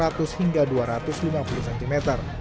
warga menerobos hingga dua ratus lima puluh cm